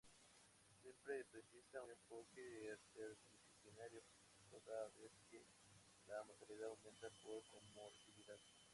Siempre precisa un enfoque interdisciplinario, toda vez que la mortalidad aumenta por comorbilidad.